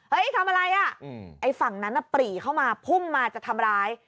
ทำอะไรอ่ะไอ้ฝั่งนั้นน่ะปรีเข้ามาพุ่งมาจะทำร้าย